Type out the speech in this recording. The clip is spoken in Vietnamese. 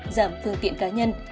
giảm phương tiện cá nhân